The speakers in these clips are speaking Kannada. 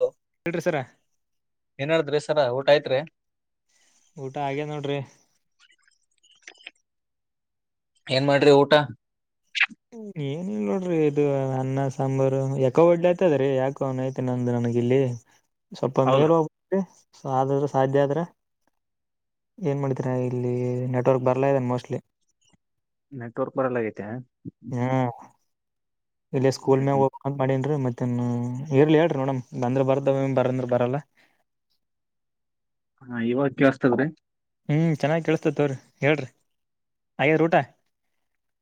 ಹ ಹೇಳ್ರಿ ಸರ ಏನ್ಡಿದ್ರಿ ಸರ ಊಟ ಆಯ್ತ್ರಿರಿ? ಊಟ ಹಾಗೆ ನೋಡ್ರಿ. ಏನ್ ಮಾಡ್ರಿ ಊಟ? ಏನಲ್ ನೋಡ್ರಿ ಇದು ಅನ್ನ ಸಾಂಬಾರು ಯಾಕೋ ಒಡ್ ಆಯ್ತದ್ರೀ ಯಾಕೋ ಅವನ್ ಐತೆ ನ ನಮ ನನಗಿಲ್ಲಿ ಸ್ವಲ್ಪ ಹೌದಾ ಮೇಲ್ ಹೋಗಬಿ ಆದ್ರ ಸಾಧ್ಯ ಆದ್ರ ಏನ್ ಮಾಡಿದರ ಇಲ್ಲಿ ನೆಟ್ವರ್ಕ್ ಬರ್ಲಾ ಇದ ಮೋಸ್ಟ್ಲಿ. ನೆಟ್ವರ್ಕ್ ಬರಲ್ಲಗತೆ ಹಾ ಇಲ್ಲಿ ಸ್ಕೂಲ್ ಮೇ ಮಾಡೇನ್ ಮೆ ಮತ್ತ ಇರ್ಲಿ ಹೇಳ್ರಿ ನೋಡಮ್ ಬಂದ್ರೆ ಬರ್ದವ ಬರಂದ್ರ ಬರಲ್ಲ. ಹಾ ಇವಾಗ ಕೇಳಸ್ತದ್ರೀ ಹ್ಞೂ ಚೆನ್ನಾಗಿ್ ಕೇಳಿಸ್ತತೆ ಅವ್ರಿ ಹೇಳ್ರಿ ಹಾಗೆ ರಊಟ.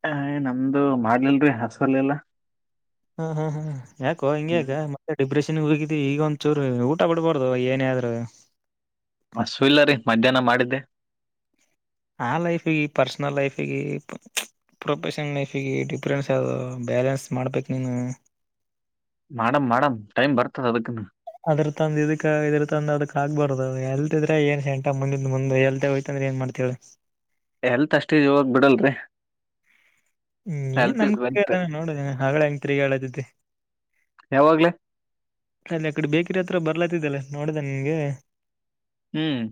ಹ ನಮ್ದು ಮಾಡ್ಲಲ್ರಿ ಹಸವಲ್ ಎಲ್ಲ ಹಾ ಹ್ಮ್ ಹಾ ಯಾಕೋ ಹಿಂಗಗೆಗ ಮತ್ತೆ ಡಿಪ್ರೆಷನ್ ಹಗಿದಿ ಈಗ ಒಂದಚೂರು ಊಟ ಬಿಡ್ಬಾರ್ದ ಏನ ಆದ್ರರು ಹಸು ಇಲ್ಲ ರೀ ಮಧ್ಯಾಹ್ನ ಮಾಡಿದ್ದೆ ಆ ಲೈಫಿಗೆ ಪರ್ಸನಲ್ ಲೈಫಿಗೆ. ಪ್ರೊಫೆಷನಲ್ ಲೈಫಿಗೆ ಡಿಫ್ರೆನ್ಸ್ ಅ ಬ್ಯಾಲೆನ್ಸ್ ಮಾಡ್ಬೇಕು ನೀನು. ಮೇಡಮ್ ಮಾಡೇಡಮ್ ಟೈಮ್ ಬರ್ತದ ಅದಕ್ಕನು‌. ಅದ್ರ ತಂದ ಇದಕ್ ಇದ್ರ ತಂದ ಅದಕ್ ಆಗ್ಬಾರ್ದ ಎಲ್ತಿದ್ರೆ ಏನ್ ಸಂಟ ಮುಂದಿಂದ ಮುಂದೆ ಎಲ್ತ ಹೋಯತ. ಏನ್ ಮಾಡ್ತವ ಎಲ್ತ್ ಅಷ್ಟೇಾಗ ಬಿಡಲ್ರಿ ಹ್ಮ್ ಏನ್ ಹೆಲ್ತ್ ಇಸ್ ವೆಲ್ತ್ ನಮ್ಾನ ನೋಡದ ಹಾಗಳ ಹೆಂಗ ತಿರ್ಗಿ ಹೇಳತತಿ ಯಾವಾಗ್ಲ ಅದ ಅಕಡೆ ಬೇಕಿ್ರ ಹತ್ರ ಬರ್ಲಾತಿದಲ್ಲ ನೋಡಿದೆ ನಿಂಗೆ ಹ್ಮ್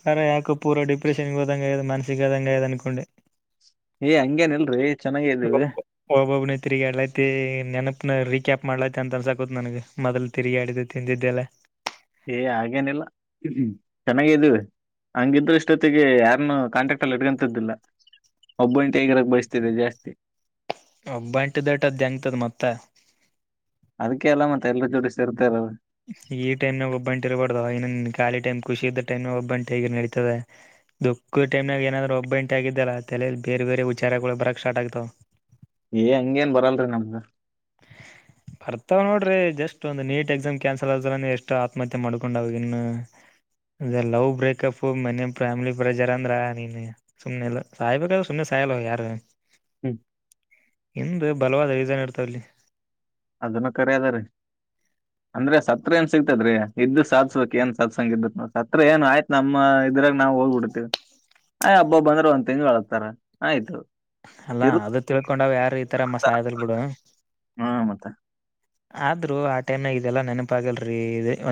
ಪಾರ ಯಾಕ ಪೂರ್ವ ಡಿಪ್ರೆಷನ್ ವಿಧಂಗಯದು ಮಾನಸಿಕ ವಿಧಂಗ ಯದನುಕೊಂಡೆ ಏ ಹಂಗೇನ್ ಇಲ್ರಿ ಚೆನ್ನಾಗ್ದವಿ ತಿರುಗಿ ಆಡ್ಲೈತಿ ನೆನಪನ ರೀಕ್ಯಾಪ್ ಮಾಡ್ಲೈತಿ ಅಂತ ಅನ್ಸಕತ್ ನನಗ ಮೊದ್ಲು ತಿರುಗ ಆಾಡಿದ್ದು ತಿಂದಿದ್ದೆಲ್ಲ ಏ ಹಾಗೇನಿಲ್ಲ ಚೆನ್ನಾಗೆದೆವಿ. ಹಂಗಿದ್ರು ಇಷ್ಟೊತ್ತಿಗೆ ಯಾರನ್ನು ಕಾಂಟಾ್ಯಾಕ್ಟ್ ಅಲ್ಲಿ ಹಡ್ಕಂತದಿಲ್ಲಾ. ಒಬ್ಬೈಗಾರಕ್ ಬಯಸ್ತಿದೆ ಜಾಸ್ತಿ. ಒಬ್ಬ ಎಂಟ ದಟದ ಹೆಂಗ್ತದ ಮತ್ತ. ಅದಕ್ಕೆ ಎಲ್ಲ ಮತ್ತ ಎಲ್ರ ಜೋಡಿ ಸೇರ್ತಾರರು ಈ ಟೈಮ್ನಾಗ ಒಬ್ಬಂಟ ಇರಬಾರ್ದ್ ಇನ್ನನ್ನು ಖಾಲಿ ಟೈಮ್ ಖುಷ ಇದ್ದ ಟೈ್ನ ಒಬ್ಬಂಟ ಈಗ ನಡೀತದೆ. ದುಃಕ್ಕ ಟೈಮನಾಗ ಏನಾದ್ರರು ಒಬ್ಬ ಎಂಟ ಆಗಿದ್ದಲ್ಲ ತಲಲಿ ಬೇರೆ ಬೇರೆ ಉಚಾರಗಳು ಬರಕ್ ಸ್ಟಾರ್ ಆಗ್ತವಾವ. ಏ ಹಂಗೇನ್ ಬರಲ್ರಿ ನಮ್ಗ. [inaudible] ಬರ್ತಾವ್ ನೋಡ್ರಿ ಜಸ್ಟ್ ಒಂದ ನೀಟ್ ಎಕ್ಸಾಮ್ ಕ್ಯಾನ್ಸಲ್ ಆದ್ರ ಎಷ್ಟು ಆತ್ಮಹತ್ಯೆ ಮಾಡ್ಕೊಂಡ ಇನ್ನು ಅ ಲವ್ ಬ್ರೇಕಪ್ ಮನೆ ಫ್ಯಾಮಿಲಿ ಪ್ರಜರ್ ಅಂದ್ರ ನೀನು ಸುಮ್ಮನೆಲ್ಲ ಸಹ್ಬೇಕ ಸುಮ್ನೆ ಸಾಯಲ ಯಾರು ಹ್ಮ್ ಹಂದು ಬಲವಾದ ರೀಸನ್ ಇರ್ತಾವಲ್ಲಿ. ಅದನ್ನ ಕರಿದ ರೀ ಅಂದ್ರೆ ಸತ್ರ ಏನ್ ಸಿಗ್ತದ್ರೀ ಇದ್ದು ಸಾಧಸ್ಕ್ ಏನ್ ಸತ್ಸಂಗ ಇದ ನ ಹತ್ರ ಏ ಆಯ್ತ್ ನಮ್ಮ ಇದ್ರಾಗ ನಾವವು ಹೋಗ್ಬಿಡ್ತಿೀವಿ. ಆಯ್ ಹಬ್ಬ ಬಂದ್ರೆ ಒಂದ್ ತಿಂಗಳ ಒಳಗ್ತಾರ ಆಯ್ತು. ಅಲ್ಲ ಇರು ಅದು ತಿಳ್ಕೊಂಡಾವ್ ಯಾರ ಈತರಮ್ಮ ಸಹಾಯದಲ್ ಬಿಡು. ಹಾ ಮತ್ತ ಆದ್ರೂ ಆ ಟೈಮ್ನಾಗ ಇದೆಲ್ಲಾ ನೆನಪ ಆಗಲ್ರಿೀ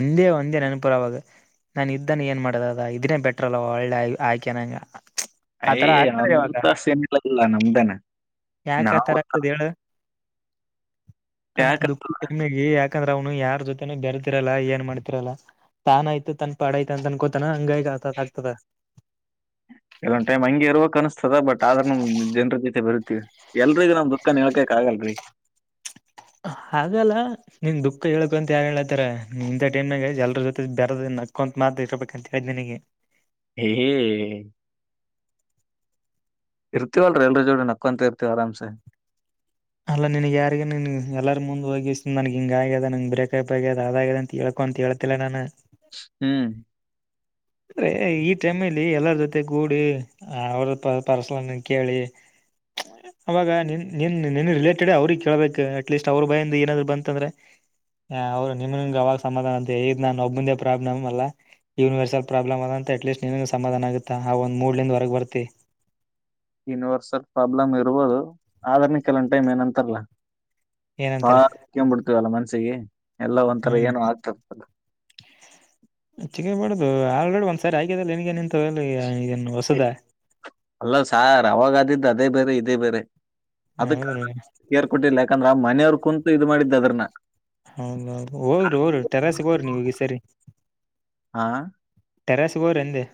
ಒಂದೇ ಒಂದೇ ನೆನಪುರವಾಗ ನಾನ ಇದ್ದ ಏನ್ ಮಾಡದದ ಇದನ್ನೇ ಬೆಟ್ರ ಅಲ್ಲ ಒಳ್ಳೆ ಆಯ್ಕೆ ನಗೆ ಯ ಅಂತ ಸಮಲಲ್ಲ ನಮ್ದೇನೆ. ಯಾಕ ಆ ತರ ಆಗ್ತದ ಹೇಳ. ಯಾಕ ಅಂತ ದುಃಖ ಕೆಮ್ಮಗಿ ಯಾಕಂದ್ರ ಅವ್ನು ಯಾರ ಜೊತೆನು ಬೆರೆತಿರಲ್ಲ ಏನ್ ಮಾಡ್ತಿರಲ್ಲ. ತಾನ ಆಯ್ತ ತನ್ ಪಾಡ ಆಯತ ಅಂತನ್ಕೋತಾನ ಹಂಗ ಈಗ ಆತ್ ಆಗ್ತದ ಹ [inaudible] ಇಲ್ಲೊಂದ್ ಟಮ್ ಹಂಂಗ ಇೋಕ್ ಅನ್ಿಸಸ್ತದ ಬಟ್ ಆದ್ರ ನಮ್ ಜರ ಜೊತೆ ಬರುತ್ತತಿವಿ ಎಲ್ರಿಗ ನಮ್ ದುಃಖನ್ ಹೇಳ್ಕ. ಹಗಲ್ರಿ ಹಾಗಲ್ಲ ನಿನ್ ದುಃಖ ಹೇಳಕು ಅಂತ ಯಾರ ಹೇಳಳ್ತಾರೆ ಇ ಟೈಮ್ನಾಗ ಎಲ್ರ ಜೊತೆ ಬೇರೆ ನಕ್ಕೊಂತ. ಇರ್ಬೇಕಂತ ಹೇಳ್ದೆ ನಿನಗೆ ಹ್ಮ್ [inaudible] ಇರ್ತೀವಲ್ರ ಎಲ್ರ ಜೋಡೆ ನಕ್ಕಂತ ಇರ್ತೀವಿ ಆರಾಮ್ಸೆ. ಅಲ್ಲ ನಿನಗ ಯಾರಿಗನ್ ಎಲ್ಲರ ಮುಂದ ಹೋಗಿ ನನ್ಗೆ ಹಿಂಗ ಆಗ್ಯದ ನಂಗೆ ಬ್ರೇಕಪ್ ಆ್ಯಪ ಅದ ಆ ಅಂತ ಹೇಳ ಕೊ ಅಂತ ಇಳತ್ತ ನಾನ ಹ್ಮ್ ಅ ಈ ಟೈಮಲಿ ಎಲ್ಲರ ಜೊತೆ ಕೂಡಿ ಅವ್ರ ಪ ಪರ್ಸಲನ್ನ ಕೇಳಿ ಅವಾಗ ನಿನ್ ನಿನ್ ನಿನ್ನ ರಿಲೇಟೆಡ್ ಅವ್ರಿಗೆ ಕೇಳ್ಬೇಕು ಅಟ್ಲೀಸ್ಟ್ ಅವ್ರ ಬಯಂದ ಏನಾದ್ರು ಬಂತಂದ್ರೆ ಹ ಅವ್ರು ನಿಮ್ ನಿನ್ಗೆ ಅವಾಗ ಸಮಾಧಾನ ಅಂತ ಈ ನಾನ್ ಒಬ್ಬಂದೇ ಪ್ರಾಬ್ಲಮ್ ಅಲ್ಲ ಇವ್ ವರ್ಲ್ ಪ್ರಾಬ್ಲಮ್ ಆದಂತತೆ ಅಟ್ಲೀಸ್ಟ್ ನೀವನು ಸಮಾಧಾನ ಆಗುತ್ತಾ ಆ ಒಂದು ಮೂಡ್ಲಿಂದ ಹೊರಗೆ ಬರ್ತಿ. ಯೂನಿವರ್ಸಲ್ ಪ್ರಾಬ್ಲಮ್ ಇರುವುದು ಆದಾರ್ನ ಕೆಲವನ್ ಟೈಮ್ ಏನಂತಾರಲ್ಲ. ಏನಂತಾರೆ ಬಾಳಕ್ಬಿಡ್ತೀವಲ್ಲ ಮನ್ಸಿಗೆ ಎಲ್ಲಾ ಒಂಥರ ಹ್ಮ್ ಏನು ಆಗ್ತರ್ಲ್ಲ. ಹೆಚ್ಚಗಬಡ್ದುದು ಆಲ್ರೆಡಿ ಒಂದ್ ಸಾರಿ ಆಗಿದೆಲ್ಲ ನಿನ್ಗೆ ನಿಂತ ಅಲ್ಲ ಸಾರ್ ಅವಾಗಾದಿದ್ದದು ಇದೇ ಬೇರೆ ಇದೇ ಬೇರೆ ಅದಕ್ಕೆ ಹೌದ್ರಿ ಕೇರ್ಕೊಟ್ಟಿಲ್ಲ ಯಾಕಂದ್ರೆ ಆ ಮನೆಯವ್ರ ಕುಂತು ಇದು ಮಾಡಿದ್ದ ಅದ್ರನ್ನ ಹೌದೌ ಹೋಗದ್ರಿ ಹೋರ ತರಾಸಿಗ್ ಹೋರಿ ನೀವಗೆ ಸರಿ ಹಾ ಟೆರಸ್ ಗೋರ್ ಎಂದೇ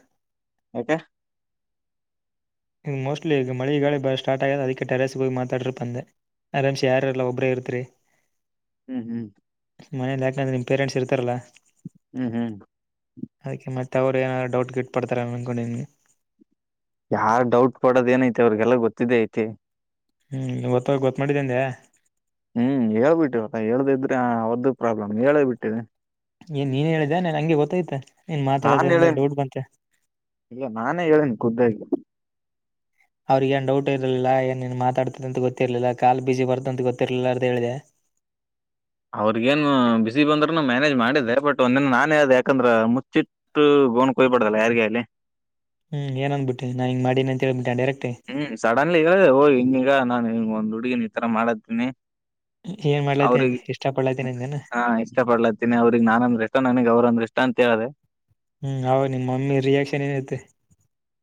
ಯಾಕ ಇಗ ಮೋಸ್ಟ್ಲಿ ಈಗ ಮಳಿಗಾಲಿ ಬ ಸ್ಟಾರ್ಟ್ ಆಗ್ಯ ಅದಕ್ಕೆ ಟೆರಸ್ ಹಿ ಮಾತಾರೆ ಅಂದೆ ಆರಮ್ಸ್ ಯಾರಲ್ಲ ಒಬ್ಬರೇ ಇರ್ತ್ರರಿ ಹ್ಮ್ ಹ್ಮ್ ಮನೆಯಲ್ಲಿ ಯಾಕೆಂದ್ರ ನಿಮ್ಮ ಪೇರೆಂಟ್ಸ್ ಇರ್ತಾರಲ್ಲ ಹ್ಮ್ ಹ್ಮ್ ಅದಕ್ಕೆ ಮತ್ತೆ ಅವರು ಏನಾದ್ ಡೌಟ್ ಗಿಟ್ ಪಡ್ತಾರೆ ಅನ್ಕೊಂಡಿನಗೆ. ಯಾರ ಡೌಟ್ ಕೊಡದ ಏನಐತಿ ಅವ್ರಗೆಲ್ಲ ಗೊತ್ತಿದ್ದ ಐತಿ. ಹ್ಮ್ ಗೊತ್ತಾಗ ಗೊತ್ತ ಮಾಡಿದ್ದೇೆ. ಹ್ಮ್ ಹೇಳ್ಬಿಟ್ಟವಲ್ಲ ಹೇಳ್ದ ಇದ್ರೆ ಅವ್ದ ಪ್ರಾಬ್ಲಮ್ ಹೇಳೇ ಬಿಟ್ಟೇವಿ. ಏನ್ ನೀನ್ ಹೇಳಿದ್ದನ್ ಹಂಗೆ ಗೊತ್ತಾಯ್ತ. ನೀನ್ ನಾನ್ ಮಾತಾಡೋದಿಂದ ಹೇಳೇನಿ ಡೌಟ್ ಬಂತೆ ಇಲ್ಲ ನಾನೇ ಹೇಳೇನಿ ಖುದ್ದಾಗಿ ಅವ್ರಿಗೆ ನ್ ಡೌಟ್ ಊ ಇರ್ಲಿಲ್ಲ ಏನ್ ನೀನ್ ಮಾತಾಡ್ತ ಅಂತ ಗೊಿರ್ಲಿಲ್ಲ ಕಾಲ್ ಬಿಸಿಿ ಬರ್ತಂತ ಗೊತ್ತಿರ್ಲಿಲ್ಲ ಅಂತ ಹೇಳಿದೆ ಅವ್ರಗೇನು ಬಿಸಿ ಬಂದ್ರನು ಮ್ಯಾನೇಜ್ ಮಾಡಿದ್ದೆ ಬಟ್ ಒಂದೆಿನ ನಾನೇ ಅ ಯಾಕಂದ್ರ ಮುಚ್ಚಿಟ್ಟು ಬೋನ್ ಕೊಯ್ಬಡಲ್ಲ ಯಾರಗ ಅಲ್ಲಿ ಹ್ಮ್ ಏನ್ಬ ಬಿಟ್ಟೆ ನಾನ್ಂಗಿ ಅಂತೇಳಟ್ಟ ಡರೆಕ್ಟ್. ಹ್ಮ್ ಸಡನ್ಲಿ ಇ ಹಓ ಹಿಂಗೀಗ ನಾನನ್ ಹಂಗ ಒಂದು್ುಡುಗಿನ್ ಈತರ ಮಾಡ್ದೀನಿ ಏನ್ ಮಾಡ್ಲತ್ತೇನಿ ಅವ್ರಗ್ ಇಷ್ಟ ಪಡ್ಲತ್ತೇನಿ ಅಂದೇನ ಹಾ ಇಷ್ಟ ಪಡ್ಲತೀನಿ ಅವ್ರಿಗೆ ನಾನಂದ್ರೆ ಇಷ್ಟ ನನಗ್ ಅವ್ರಂದ್ರ ಇಷ್ಟ ಅಂತಿ [unintelligible] ಹ್ಮ್ ಹೌ ನಿಮ್ಮ ಮಮ್ಮಿ ರಿಯಾಕ್ಷನ್ ಏನೈತೆ?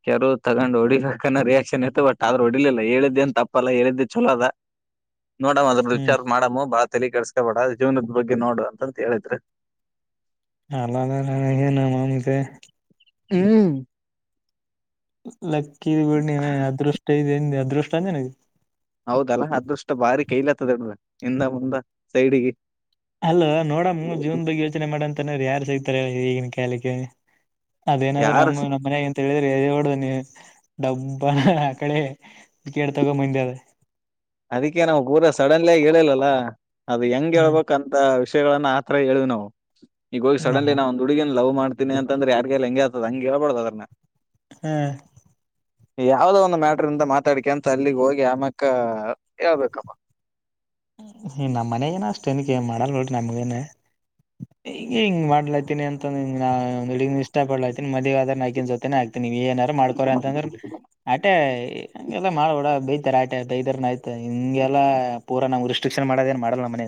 ಕೆರು ತಗೊಂಡ್ ಹೊಡಿಬೇಕನ್ನ ರಿಯಾಕ್ಷನ್ ಇತ್ತು ಬಟ್ ಆದ್ರೂ ಹೊಡಿಲಿಲ್ಲ ಹೇಳಿದ್ದೆ ಅನ್ ತಪ್ಪಲ್ಲ ಹೇಳಿದ್ದೆ ಚೊಲೋದ ನೋಡಮ್ಮ ಅದ್ರ ಹ್ಮ್ ವಿಚಾರ ಮಾಡಮ್ಮ ಬಾಳ ಲಿ ಕಿಸಸ್ಕೋಬೇಡ ಜೀವನದ ಬಗ್ಗೆ ನೋಡು ಅಂತಂತ ಹೇಳಿದ್ರೆ ಅ ನ ಮಾಮತೆ ಹ್ಮ್ ಲಕ್ಕಿ ಬಿಡ್ ಅದೃಷ್ಟ ಇ ನ್ ಅದೃಷ್ಟ ಅಂದನಗೆ ಹೌದಲ್ಲಾ ಅದೃಷ್ಟ ಬಾರಿ ಕೈಲ ಹತ್ತದೆಡ್ರ ಇಂದ ದ ಮುಂದ ಸೈಡಿಗೆ ಅಲ್ಲ ನೋಡಮ್ಮ ಜೀವನ್ ಬಗ್ಗೆ ಯೋಚನೆ ಮಾಡಂತಾನ ಯಾರು ಸಿಗ್ತಾರೆ ಈಗಿನ ಕಾಯಲಿಕ್ಕೆ ಅದೇನಾದ್ರೂ ಯಾರು ನಮ್ಮ ನಮ್ಮ್ನ್ಯಾಗ ಎಂತ ಹೇಳಿದ್ರೆ ಹೊಡ್ದ ನೀ ಡಬ್ಬ ಆ ಕಡೆ ಕೇಡ್ ತಗೋ ಮಂದಿ ಅದ. ಅದಕ್ಕೆ ನಾ್ ಊರ ಸಡನ್ಲಿ ಆಗ ಹೇಳಿಲ್ಲಲ್ಲಾ ಅದು ಹೆಂಗಗೆ ಹ್ಮ್ ಹೇಳ್ಬೇಕಂತ ವಿಷಯಗಳನ್ನ ಆತ ಹೇಳುದು ನಾವು ಈಗ ಹೋಗಿ ನಮ್ಮ ಸಡನ್ಲಿ ನಾ ಒ್ ಹಡುಗನ್ ಲವ್ ಮಾಡಿ ಹತನಿ ಅಂದ್ರ ಎಡ್ಗಗೆ ಎ ಹೆಂಗೆ ಆತದ ಹೇಳ್ಬಾರ್ದ ಅದನ್ನ. ಹ್ಮ್ ಯಾವ್ದೋ ಒಂದು ಮ್ಯಾಟ್ರ ಇಂದ ಮಾತಾಡಿಕೆ ಅಂತ ಅಲ್ಲಿಗ್ ಹೋಗಿ ಆಮಕ್ಕ ಯಾವಬೇಕಪ್ಪ ನೀ ನಮ್ಮ್ ಮನೆಗೇನ ಅಷ್ಟ ನ್ಕ್ಕೆ ಮಾಡಲ್ ಬಿೋಡಿ ನಮಗೇನ ಹ ಹಿಂಗ ಮಾಡ್ಲಾತನಿ ಅಂತ ಒ ಹಿಗ್ ಇಷ್ಟ ಪಡ್ಲಾತೀನಿ ಮದ್ೆ ಆದ್ರ ಆಕಿನ್ೊತೆನೆ ಆಗ್ತ ನೀವ್ ಏನಾರ ಮಾಡ್ಕೋರ ಅಂತಂದ್ರ ಆಟೆ ಹಗೆಲ್ಲ ಮಾಡ ಡ ಬೈತಾರ ಆಟೆ ಬೈರ್್ತ ಮ ಹಿಂಗೆಲ್ಲ ಪೂರಾ ನಾ್ವು ರಿಸ್ಟ್ರಿಕ್ಷನ್ ಮಾಡದ ಏನ್ ಮಾಡಲ್ಲ ಮನೆ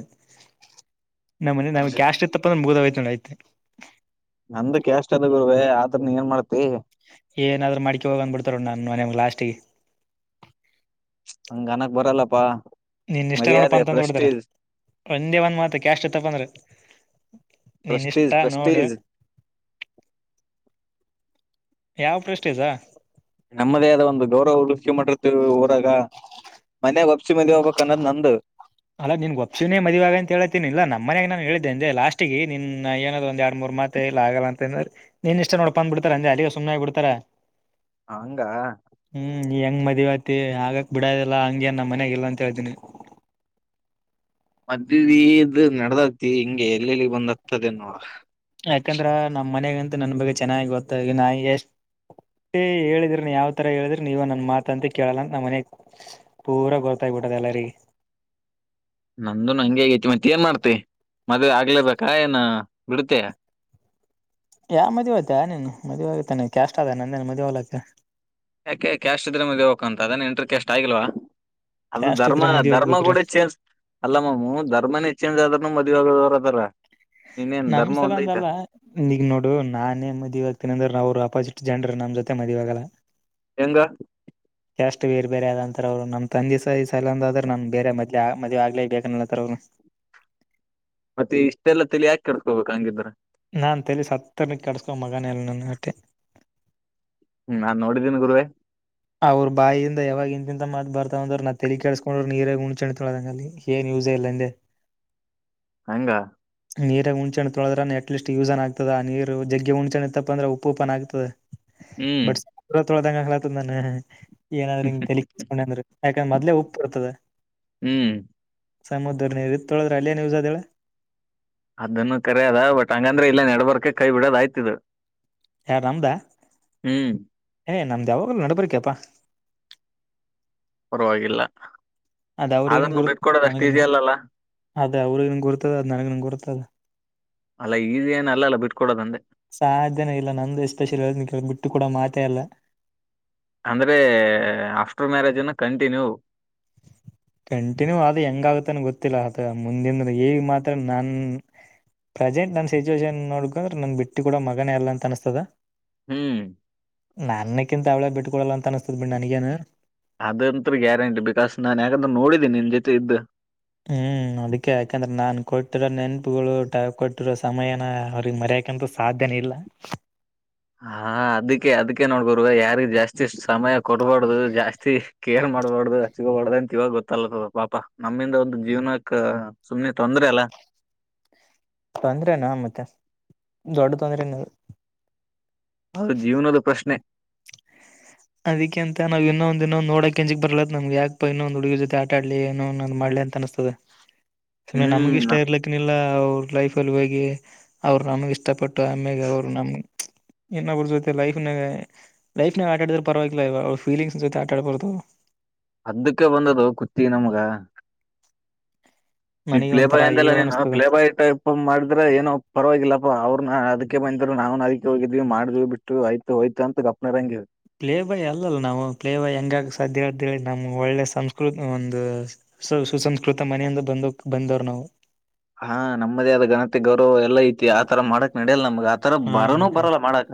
ನಮ್ಮನೆ ನಮ್ಗೆ ಕ್ಯಾಶಟ್ ಇತ್ತಪ್ಪ ನಮಗೆ ಗದಯ ಆಯತೆ ನಂದಕ್ಕೆ ಅಷ್ಟ ಅದ ಗುರ್ರುವೇ ಆದ್ರ ನೀ ಏನ್ ಮಾಡ್ತಿ ಏನಾದ್ರು ಮ್ಕಿ ಹೋಗಂದ್ ಬಿಡ್ತಾರ ನನ್ ಮನಮ ಲಾಸ್ಟ್ಗ ಹಂಗ ಅನಕ್ ಬರಲ್ಲಪ್ಪಾ ನಿನ್ ಇಷ್ಟ ನೋಡಪ ಮರ್ಯಾದೆ ಅಂತ ಅಂದ್ ಪ್ರಸ್ಜ ಬಿಡ್ತಾರ ಒಂದೇ ಒಂದ್ ಮಾತಕ್ಕೆ್ಯಾಷ್ಟ ತಪ್ಪ ಅಂದ್ರೆ ಪ್ರಸ್ಟೀಜ್ ಪ್ರಸ್ಟೀಜ್ ಯಾವ ಪ್ರಶ್ನೆ ಇದದಾ ನಮ್ಮದೇ ಆದದ ಒಂದು ಗೌರವ ಉಳಕ ಮಾಡಿರ್ತವಿ ಊರಾಗ ಮನೆ ಒ ಹಿಮಿ ಹೋಗಬಬೇಕ ಕನ್ನ ನಂದು ಅಲ್ಲ ನೀನ್ ಗಪ್ಸಿನನೆ ಮದುವಾಗ ಅಂತ ಹೇಳಳ್ತಿನಿ ಇಲ್ಲ ನಮ್ಮ ಮನ್ಯಾಗ ನಾು ಹೇಳಿದ್ದೆ ಅಂದೆ ಲಾಸ್ಟಗ ನಿನ್ ಏನಾದ್ ಒಂದ ಎರಡ್ ಮೂರು ಮಾತೆ ಇಲ್ಲ ಆಗಲ್ಲ ಅಂತಂದ್ರ ನೀನ್ ಇಷ್ಟ ನೋಡ್ಕಂದ್ ಬಿಡ್ತಾರ ಅಂದೆ ಅಲ್ಲಿಗ ಸು್ನೆ ಆಗ್ಬ ಬಿಡ್ತಾರ ಹಂಗ ನೀ ಹೆಂಗ್ ಮದ್ವತಿ ಆಗಕ್ ಬಿಡದಲ್ಲಾ ಹಂಗಗೆ ನ ಮಯಾಗ ಇಲ್ಲಾ ಅಂತ ಹತೀನಿ ಮದದದು ನಡದಾಗ್ತಿ ಹಿಂಗೆ ಎಲ್ಲೆಲ್ಲಿ ಬಂದ್ ಆಗ್ತದೆ ನೋಡ ಯಾಕಂದ್ರ ನಮ್ಮ್ ಮನೆಗಂತೂ ನನ್ ಬಗ್ಗೆ ಚೆನ್ನಾಗಿ ಗೊತ್ತ ಈ ನಾ ಎಷ್ಟ್ [unintelligible] ಹೇಳಿದ್ರ ಯಾವ್ ತರ ಹೇಳಿದ್ರಿ ನೀವ ನನ್ ಮಾತ ಅಂತ ಕೇಳಲ್ಲ ನಮ್ಮ ಮನೆ ಪೂರ ಗೊತ್ತಾಗ್ಬಿಟ್ಟದಲ್ಲ ಸರಿ [unintelligible] ನಂದು ಹಂಗೆಗತಿ ಮತ್ತ ಏನ್ ಮಾಡ್ತಿ ಮದ್ೆ ಆಗ್ಲೇಬೇಕಾ ಏನ ಬಿಡತ [unintelligible] ಯಾ ಮದ್ ಹಯತ ನೀನ್ ಮದುವೆ ಆೋಗತ ಕಷ್ಟ ಅದ ನಂದೇ ಮದುವೆ ಹೋಗಲತ್ತ ಯಾಕೆ ಕ್ಯಾಶ್ ಇದ್ರೆ ಮವಕ ಅಂತ ಅದೇ ಎಂಟ್ರಿ ಎಷ್ಟ ಆಗಿಲ್ವಾ ಅದು ಕ್ಯಾಸ್ಟ್ ಧರ್ಮ ಇದ್ರೆ ಮದುವೆ ಧರ್ಮ ಆಗ್ಬೇಕ್ರಿ ಕೂಡ ಚೇಂಜ್ ಅಲ್ಲ ಮಾಮು ಧರ್ಮನೇ ಜ್ ಆದ್ರರು ಮುವ ಆಗದ್ರುದಲ್ಲ ನಮ್ ಸಲ ಅಂದಲ್ಲ ನಿಗ್ ನೋಡು ನಾನೇ ಮದುವ ಆಗ್ತೇನಿ ಅಂದ್ರ ಅವರು ಅಪಾಸಿಟ್ ಜನರು ನಮ್ ಜೊತೆ ಮದುವಾಗಲ್ಲ ಹೆಂಗ ಎಷ್ಟು ಬೇರೆ ಬೇರೆ ಅದಂತಾರ ಅವ್ರು ನಮ್ಮ ತಂದಿ ಸಹ ಸಲಂದ ಆದ್ರೆ ನಾನ ಬೇರೆ ಮದ್ ಮದ್ೆ ಆಗ್ಲೇ ಬೇಕನ್ಲತ್ತಾರ ಅವ್ರು ಮತ್ತೆ ಇಷ್ಟೆಲ್ಲ ತಿಲಿ ಯಾಕೆ ಕಡ್ಕೊಬೇಕ ಹಂಗಿದ್ರ ನಾನ್ ತಲ್ ಹತ್ತನ ಕಡಸ್ಕೊ ಮಗನ ಎಲ್ಲ ನನ್ನ ಹಟ್ಟೆ ಹ್ಮ್ ನಾನ್ ನೋಡಿದ್ದೀನಿ ಗುರುವೇ ಅವ್ರ ಬಾಯಿಯಿಂದ ಯಾವಾಗ ಇಂತಿಂತ ಮಾಡ್ ಬರ್ತಾವ ಅಂದ್ರ ನಾ ತಲಿ ಕೇಳಿಸಸ್ಕೊಂಡ್ರು ನೀರೇ ಹುಣ್ಚ್ೆಣ್ತಳದಂಗ ಅಲ್ಲಿ ಏ ಮೂಲದ್ದೆಂದು ಈ ಬಾರಿ ಹಂಗ ನೀರ ಹುಣಚೆ ತೊಳದ್ರೆ ಅಟ್ ಲೀಸ್ಟ್ ಯೂಸ್ನ್ ಆಗ್ತದೆ ಆ ನೀರು ಜಗ್ಗೆ ಹುಣಚೆಪ್ಪ ಅಂದ್ರೆ ಉಪ್ಪು ಉಪನ್ ಆಗ್ತದೆ ಹ್ಮ್ ತೊಳದಂಗ ಕಲಾತಂದಾನೆ ಏನಾದ್ರೆ ಹಿಂಗ ತೆಲಕ್ಸ್ಕೊಂಡ ಅಂದ್ರ ಯಾಕಂದ್ರೆ ಮೊದ್ಲೇ ಉಪ್ಪು ಬರ್ತದೆ ಹ್ಮ್ ಸಾಮದರ್ ನೀ ಇ ತೊಳಿದ್ರ ಅಲ್ಲಿಯ ವುಸ್ ಅದಳ ಅದನ್ನು ಕರದ ಬಟ್ ಹಂಗಂದ್ರೆ ಇಲ್ಲ ನೆಡ ಬರ್ಕೆ ಕೈ ಬಿಡೋದ ಆಯ್ತಿದ್ ಯ ನಾಮದಾ ಏ ನಾಮದ ಯಾವಾಗಾಗಲ್ಲ ನವರಿಿಕೆಪ್ಪ ಪರವಾಗಿಲ್ಲ ಅದ ಅವರುಗನು ಆದ್ರೂ ಬಿಟ್ಕೊಡೋದು ಅಷ್ಟು ಈಸಿ ಗುರುನ ಅಲ್ಲಲ್ಲ ಅದೇ ಅವ್ರಿಗೆಂ ಗುರುತದ ನನಗ್ ನಂ ಗುರುತದ ಅಲ್ಲ ಈ ಸಾಧ್ಯನೇ ಇಲ್ಲ ನಂದು ಎಷ್ಟು ಶಿರ್ ಕ ಬಿಟ್ಟ ಕೂಡ ಮಾತ ಅಲ್ಲ ಅಂದ್ರೆ ಆಫ್ಟರ್ ಮ್ಯಾರೇಜ್ನ್ನು ಕಂಟಿನ್ಯೂ ಕಂಟಿನ್ಯೂ ಆದ ಹೆಂಗಾಗತ್ತನ್ ಗೊತ್ತಿಲ್ಲ. ಅ ಮುಂದಿನ ಈಗ್ ಮಾತ್ರ ನಾನ್ ಪ್ರೆಸೆಂಟ್ ನನ್ ಸಿಚುುವೇಶನ್ ನೋಡ್ಕ್ರೆ ನನ್ ಬಿಟ್ಟು ಕೂಡ ಮಗನೇ ಅಲ್ಲ ಅಂತ ಅನಸ್ತದ ಹ್ಮ್ ನನ್ನಕ್ಕಿಂತ ಅವಳೇ ಬಿಟ್ಕೊಡಲ್ಲ ಅಂತ ಅನ್ತ ಅದಂತ ಗ್ಯಾರಂಟಿ ಬಿಕಾಸ್ ನಾನ್ ಯಾಕಂದ್ರೆ ನೋಡಿದ್ದೀನಿ ನಿನ್ ಜೊತೆ ಇದ್ದ. ಹ್ಮ್ ಅದಕ್ಕೆ ಯಾಕಂದ್ರೆ ನಾನ್ ಕೊಟ್ಟಿರೋ ನೆನಪುಗಳು ಕೊಟ್ಟಿರೋ ಸಮಯನ ಅವ್ರಿಗೆ ಮರ್ಯ. ಮರ್ಯಕಂತು ಸಾಧ್ಯನ ಇಲ್ಲ. ಹಾ ಅದಕ್ಕೆ ಅದಕ್ಕೆ ನೋಡ್ಗುವ ಯಾರಿಿಗೆ ಜಾಸ್ತಿ ಸಮಯ ಕೊಡ್ಬಾರ್ದು ಜಾಸ್ತಿ ಕೇರ್ ಮಾಡಬಾರಡ್ದ ಅಚ್ಚಿಗ ಹೊಡ್ದ ಅಂತ ಇವಾಗ ಗೊತ್ತಲ್ ಪಾಪಾ ನಮ್ಮಿಂದ ಒಂದು ಜೀವನಕ್ ಸುಮ್ನೆ ತೊಂದ್ರ ಅಲ್ಲ. [unintelligible] ತೊಂದ್ರೆನಾ ಮತ್ತೆ ದೊಡ್ಡ ತೊಂದ್ರ ನೀವು, ಅವರು ಜೀವನದ ಪ್ರಶ್ನೆ. ಅದಕ್ಕೆ ಅಂತ ನಾವವು ಇನ್ನೊಂದ್ ಇೊ ನೋಡಕ ಕೆಂಿಕ್ ಬರ್ಲತ್ ನಮ್ ಯಾಕ್ಪ್ಪ ಇನ್ನೊ್ ಹುಡುಗ ಜೊತೆ ಆಡ್ಲಿ ಏನ ಮಾಡ್ಲಿ. ಅಂತ ಅನ್ತದೆ ಸುಮ್ಮನೆ ನಮಗ ಹ್ಮ್ ಇಷ್ಟ ಇರ್ಲಿಕ್ಕ ಇಿಲ್ಲ ಅವ್ರ ಲೈಫ್ ಲುವಿ ಅವ್ರು ನಮಗೆ ಇಷ್ಟಪಟ್ಟು ಆಮ್ಯೆಗೆ ಅವರು ನಮ ನ ಬುರ್ಸೊತೆ ಲೈಫ್ನಾಗ ಲೈಫ್ ನಾಗ ಆಟಾಡಿದ್ರ ಪರವಾಗಿಲ್ಲ ಇವ ಅವ್ ಫೀಲಿಂಗ್ಸ್ ಜೊತೆ ಆಟಾಡಡ್ ಅದ್ದಕ್ಕೆ ಬಂದದು ಕುತ್ತೀ ನಮಗ ಈ ನನಗೆ ಪ್ಲೇ ಬಾಯ ಒಂಥರ ಅಂದಲ್ಲ ಅಯ್ಯೋ ನೀ ಅನಿಸ್ತದ ಪ್ಲೇ ಬಾಯ ಟೈಪ್ ಮಾಡಿದ್ರ ಏನೋ ಪರವಾಗಿಲ್ಲಪ್ಪಾ ಅವ್ರನ್ನ ಅದಕ್ಕೆ ಬಂದ ಅ್ರ ನವು ನ ಅದಕ್ಕೆ ಹೋಗಿದ್ವಿ ಮಾಡ್ವಿ ಬಿಟ್ಟುಯತ ಹಯತ ಅಂತ ಗಪ್ನ ಹಂಗಿವವಿ. ಪ್ಲೇಬಾಯಿ ಅಲ್ಲಲ್ಲ ನಾವು ಪ್ಲೇ ಬಾಯಿ ಹೆಂಗಾಗ ಸದ್ಯ ಅ್ದಿ ನಮ್ಗೆ ಒಳ್ಳೆ ಸಂಸ್ಕೃತಿ ಒಂದು ಸ ಸುಸಂಸ್ಕೃತ ಮನೆಯಿಂದ ಬಂದ ಬಂದವ್ರು ನಾವು. ಹಾ ನಮ್ಮದೇ ಆದ ಣತೆ ಗೌರವ ಎಲ್ಲ ಐತಿ ಆತರ ಮಾಡಕ್ ನಡಿಯಲ್ಲ ನಮ ಆತರ ಹಾ ಬರೋನೂ ಮತ್ತೆ ಬರಲ್ಲ ಮಾಡಕ